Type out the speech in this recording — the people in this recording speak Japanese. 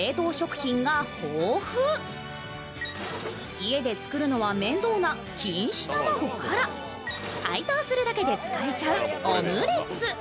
家で作るのは面倒な錦糸卵から解凍するだけで使えちゃうオムレツ